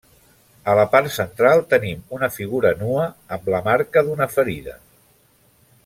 A la part central tenim una figura nua amb la marca d'una ferida.